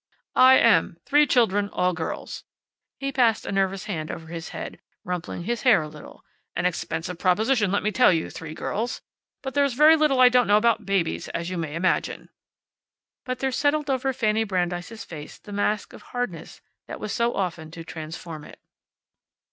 "I am. Three children. All girls." He passed a nervous hand over his head, rumpling his hair a little. "An expensive proposition, let me tell you, three girls. But there's very little I don't know about babies, as you may imagine." But there settled over Fanny Brandeis' face the mask of hardness that was so often to transform it.